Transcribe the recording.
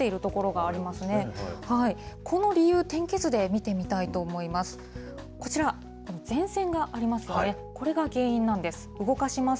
この理由、天気図で見てみたいと思います。